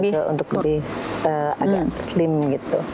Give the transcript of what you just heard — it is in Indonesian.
betul betul untuk lebih agak slim gitu